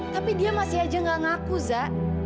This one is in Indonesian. tapi dia masih aja gak ngaku za